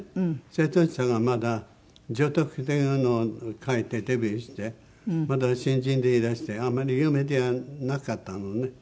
瀬戸内さんがまだ『女徳』というのを書いてデビューしてまだ新人でいらしてあんまり有名ではなかったのね。